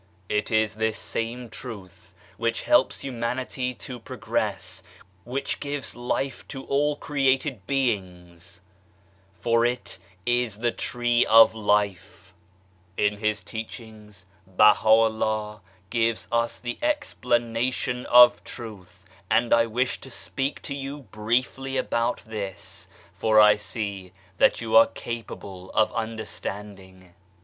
It is this same Truth which helps humanity to progress, which gives life to all created beings, for it is the Tree of Life 1 In his teachings Baha Vllah gives us the explanation of Truth, and I wish to speak to you briefly about this, for I see that you are capable of understanding.